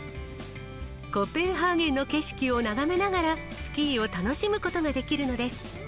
コペンハーゲンの景色を眺めながら、スキーを楽しむことができるのです。